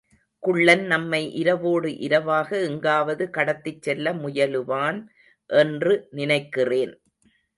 குள்ளன் நம்மை இரவோடு இரவாக எங்காவது கடத்திச் செல்ல முயலுவான் என்று நினைக்கிறேன்.